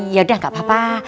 yaudah gak apa apa